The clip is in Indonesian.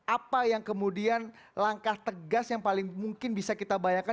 apa yang kemudian langkah tegas yang paling mungkin bisa kita bayangkan